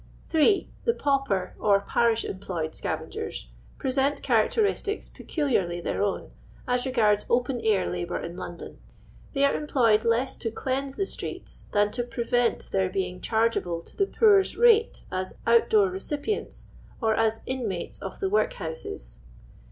3. The Pauper, or Parish employed Scavengers present characteristics peculiarly their own, as re gards open air labour in London. They are em ployed less to cleanse the streets, than to prevent their being ch.irgeable to the poor's rate as out door recipients, or as inmates of the workhouses.